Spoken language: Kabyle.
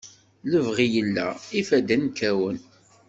Lebɣi yella, ifadden kkawen.